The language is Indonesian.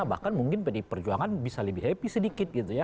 bahkan mungkin pdi perjuangan bisa lebih happy sedikit gitu ya